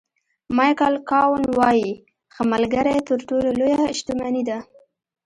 مایکل کاون وایي ښه ملګری تر ټولو لویه شتمني ده.